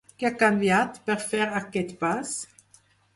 Què ha canviat per fer aquest pas?